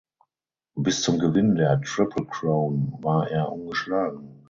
Bis zum Gewinn der Triple Crown war er ungeschlagen.